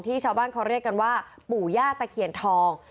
ชาวบ้านเขาเรียกกันว่าปู่ย่าตะเคียนทอง